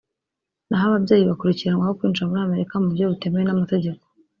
naho ababyeyi bakurikiranwaho kwinjira muri Amerika mu buryo butemewe n’amategeko